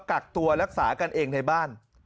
กักตัวรักษากันเองในบ้าน